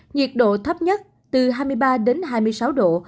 nhiệt độ thấp nhất từ hai mươi ba đến hai mươi sáu độ